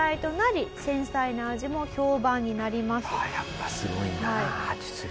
やっぱすごいんだな実力は。